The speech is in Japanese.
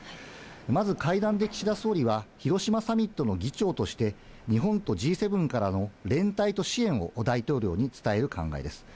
まず会談で岸田総理は、広島サミットの議長として、日本とＧ７からの連帯と支援を大統領に伝える考えです。